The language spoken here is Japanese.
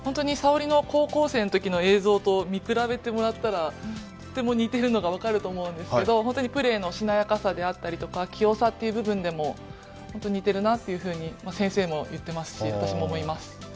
沙織の高校生のときの映像と見比べてもらったらとても似ているのが分かると思うのですがプレーのしなやかさであったり器用さという部分でも本当に似ているなと先生も言っていますし私も思います。